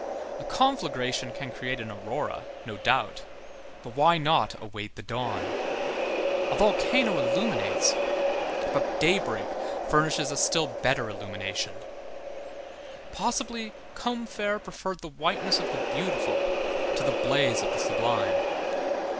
A conflagration can create an aurora, no doubt, but why not await the dawn? A volcano illuminates, but daybreak furnishes a still better illumination. Possibly, Combeferre preferred the whiteness of the beautiful to the blaze of the sublime.